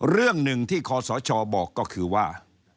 เรื่องหนึ่งที่คอสชบอกก็คือว่า